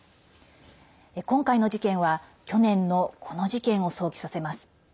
今回の事件は、去年のこの事件を想起させます。